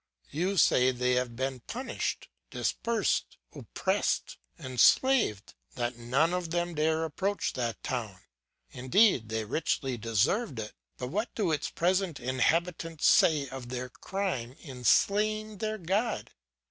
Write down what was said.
You say they have been punished, dispersed, oppressed, enslaved; that none of them dare approach that town. Indeed they richly deserved it; but what do its present inhabitants say of their crime in slaying their God!